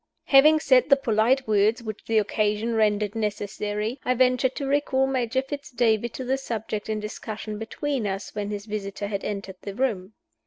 Having said the polite words which the occasion rendered necessary, I ventured to recall Major Fitz David to the subject in discussion between us when his visitor had entered the room.